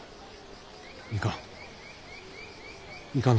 いかん。